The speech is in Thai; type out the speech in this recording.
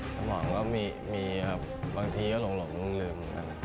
ก็มีครับบางทีก็หลงลมลืม